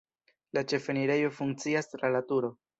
La ĉefenirejo funkcias tra la turo.